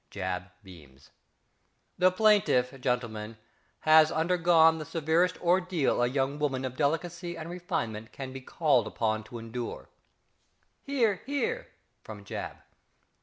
(~JAB.~ beams.) The plaintiff, gentlemen, has undergone the severest ordeal a young woman of delicacy and refinement can be called upon to endure (_"Hear, hear!" from ~JAB.